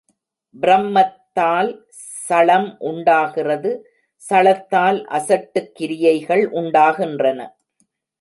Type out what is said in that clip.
ப்ரமத்தால் சளம் உண்டாகிறது சளத்தால் அசட்டுக் கிரியைகள் உண்டாகின்றன.